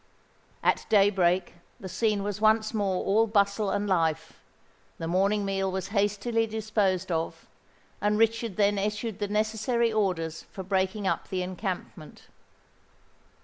At day break the scene was once more all bustle and life: the morning meal was hastily disposed of; and Richard then issued the necessary orders for breaking up the encampment.